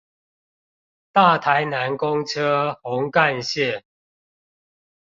大台南公車紅幹線